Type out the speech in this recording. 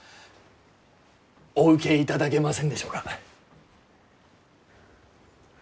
お受けいただけませんでしょうか？